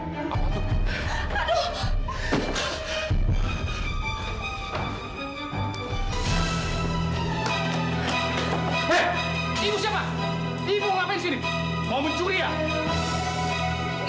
pak saya bukan pencuri pak